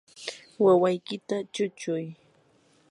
wawaykita chuchuy.